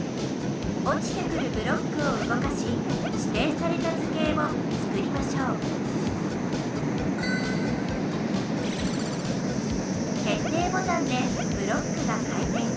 おちてくるブロックをうごかししていされた図形をつくりましょう決定ボタンでブロックが回転。